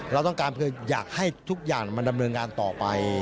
เราต้องการคืออยากให้ทุกอย่างมันดำเนินงานต่อไป